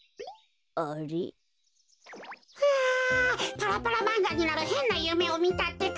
パラパラまんがになるへんなゆめをみたってか。